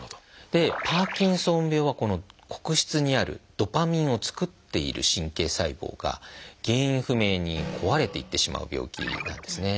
パーキンソン病はこの黒質にあるドパミンを作っている神経細胞が原因不明に壊れていってしまう病気なんですね。